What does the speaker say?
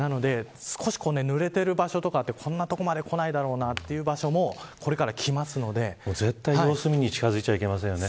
なので少しぬれている場所とかこんな場所までこないだろうなという所にもくるので絶対に様子を見に近づいてはいけませんよね